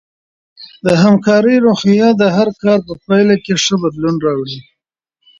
د همکارۍ روحیه د هر کار په پایله کې ښه بدلون راوړي.